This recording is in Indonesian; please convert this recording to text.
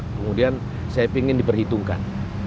kemudian saya pingin diperhitungkan